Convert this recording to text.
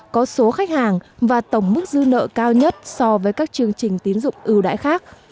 có số khách hàng và tổng mức dư nợ cao nhất so với các chương trình tín dụng ưu đãi khác